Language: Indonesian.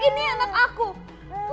ini anak aku